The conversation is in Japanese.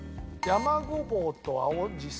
山ごぼうと青じそ。